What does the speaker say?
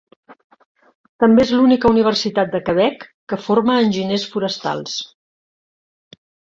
També és l'única universitat de Quebec que forma a enginyers forestals.